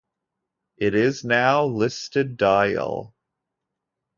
It is now listed dial.